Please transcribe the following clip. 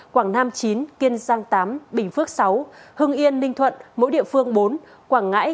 quảng nam chín kiên giang tám bình phước sáu hưng yên ninh thuận mỗi địa phương bốn quảng ngãi